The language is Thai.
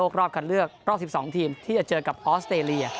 รอบคันเลือกรอบ๑๒ทีมที่จะเจอกับออสเตรเลีย